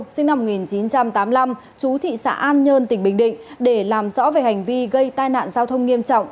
sinh năm một nghìn chín trăm tám mươi năm chú thị xã an nhơn tỉnh bình định để làm rõ về hành vi gây tai nạn giao thông nghiêm trọng